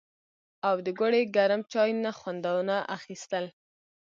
او د ګوړې ګرم چای نه خوندونه اخيستل